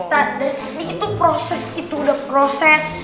taduh ibu itu proses itu udah proses